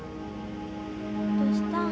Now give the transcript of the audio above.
どしたん？